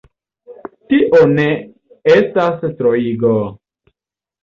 Tio ne estas troigo.